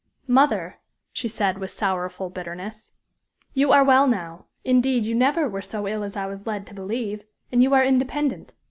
"Mother," she said, with sorrowful bitterness, "you are well now; indeed, you never were so ill as I was led to believe; and you are independent.